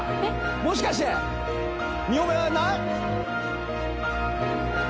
もしかして見覚えない？